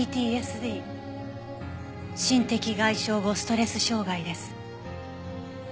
心的外傷後ストレス障害です。